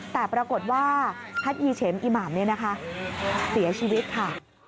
แต่ปรากฏว่าพัทยอีเฉมอีหม่ำเสียชีวิตค่ะ